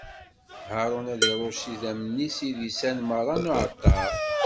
Haṛun ad iṛucc s idammen-is idisan meṛṛa n uɛalṭar.